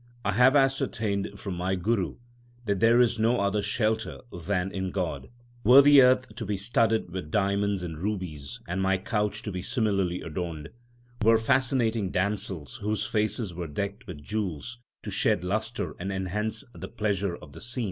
I have ascertained from my Guru that there is no other shelter than in God. Were the earth to be studded with diamonds and rubies, and my couch to be similarly adorned ; Were fascinating damsels whose faces were decked with jewels to shed lustre and enhance the pleasure of the scene ; 1 Gauri.